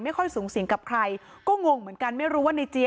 ไม่ค่อยสูงสินกับใครก็งงเหมือนกัน